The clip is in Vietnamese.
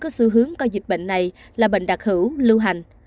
có xu hướng coi dịch bệnh này là bệnh đặc hữu lưu hành